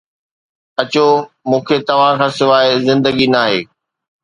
اچو، مون کي توهان کان سواء زندگي ناهي.